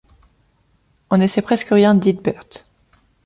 On ne sait presque rien d'Eadberht.